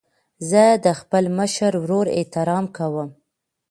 زه د خپل مشر ورور احترام کوم.